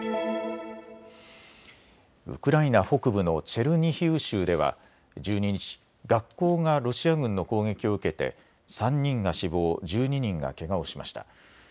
ウクライナ北部のチェルニヒウ州では１２日、学校がロシア軍の攻撃を受けて３人が死亡１２人がけがをしました。